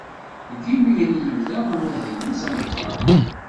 Deg yimir i yebda amahil-is ameqqran.